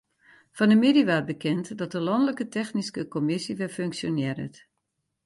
Fan 'e middei waard bekend dat de lanlike technyske kommisje wer funksjonearret.